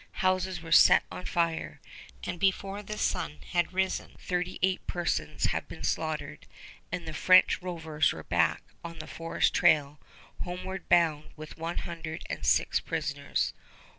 Houses were set on fire, and before the sun had risen thirty eight persons had been slaughtered, and the French rovers were back on the forest trail, homeward bound with one hundred and six prisoners.